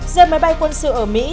giờ máy bay quân sự ở mỹ